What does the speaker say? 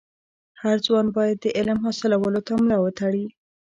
هر ځوان باید د علم حاصلولو ته ملا و تړي.